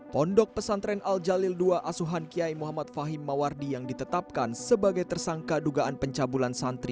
pondok pesantren al jalil ii asuhan kiai muhammad fahim mawardi yang ditetapkan sebagai tersangka dugaan pencabulan santri